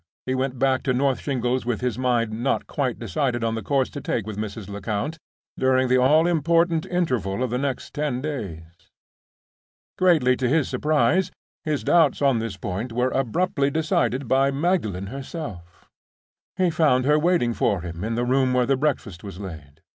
He went back to North Shingles with his mind not quite decided on the course to take with Mrs. Lecount during the all important interval of the next ten days. Greatly to his surprise, his doubts on this point were abruptly decided by Magdalen herself. He found her waiting for him in the room where the breakfast was laid.